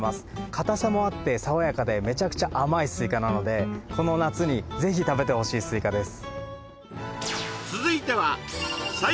硬さもあって爽やかでめちゃくちゃ甘いスイカなのでこの夏にぜひ食べてほしいスイカです